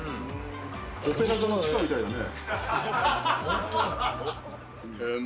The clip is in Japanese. オペラ座の地下みたいだね。